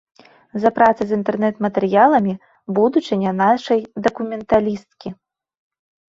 За працай з інтэрнэт-матэрыяламі будучыня нашай дакументалісткі.